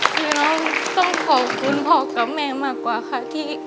คือน้องต้องขอบคุณพ่อกับแม่มากกว่าค่ะ